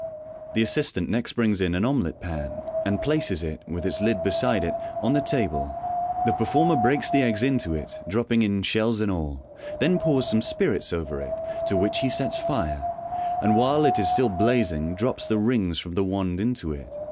The assistant next brings in an omelet pan, and places it, with its lid beside it, on the table. The performer breaks the eggs into it, dropping in shells and all — then pours some spirits over it, to which he sets fire, and while it is still blazing drops the rings from the wand into it.